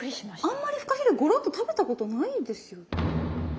あんまりフカヒレゴロッと食べたことないですよ。